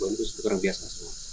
itu sedikit orang biasa semua